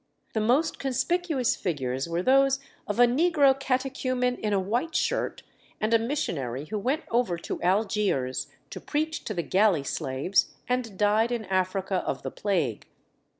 The most conspicuous figures were those of a negro catechumen in a white shirt, and a missionary who went over to Algiers to preach to the galley slaves, and died in Africa of the plague.